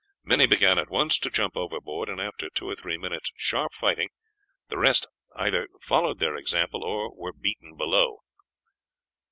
Many began at once to jump overboard, and after two or three minutes' sharp fighting the rest either followed their example or were beaten below.